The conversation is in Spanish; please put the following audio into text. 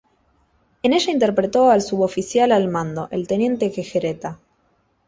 En ella interpretó al suboficial al mando, el teniente Querejeta.